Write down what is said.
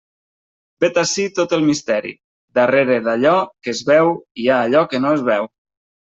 Vet ací tot el misteri: darrere d'allò que es veu hi ha allò que no es veu.